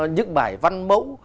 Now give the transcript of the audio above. những bài văn mẫu